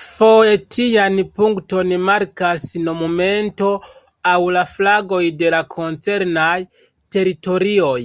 Foje tian punkton markas monumento aŭ la flagoj de la koncernaj teritorioj.